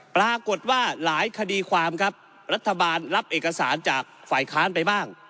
ปรากฏว่าหลายคดีความครับรัฐบาลรับเอกสารจากฝ่ายค้านไปบ้าง